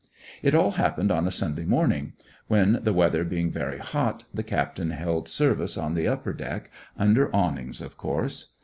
It all happened on a Sunday morning when, the weather being very hot, the captain held service on the upper deck, under awnings, of course.